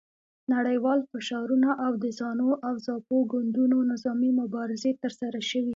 نړیوال فشارونه او د زانو او زاپو ګوندونو نظامي مبارزې ترسره شوې.